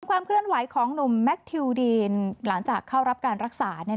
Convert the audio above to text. ความเคลื่อนไหวของหนุ่มแมคทิวดีนหลังจากเข้ารับการรักษา